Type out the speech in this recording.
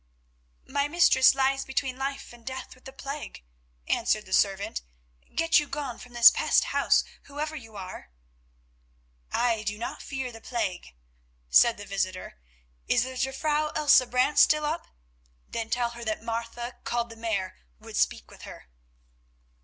"My mistress lies between life and death with the plague," answered the servant. "Get you gone from this pest house, whoever you are." "I do not fear the plague," said the visitor. "Is the Jufvrouw Elsa Brant still up? Then tell her that Martha, called the Mare, would speak with her."